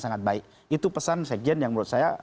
sangat baik itu pesan sekjen yang menurut saya